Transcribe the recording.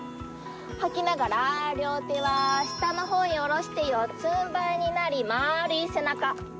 吐きながら両手は下の方へ下ろして四つんばいになり丸い背中。